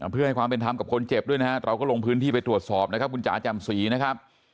เพื่อให้ความเป็นธรรมกับคนเจ็บด้วยนะฮะเราก็ลงพื้นที่ไปตรวจสอบนะครับคุณจ๋าจำศรีนะครับ